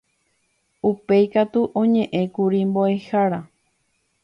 Upéikatu oñe'ẽkuri mbo'ehára.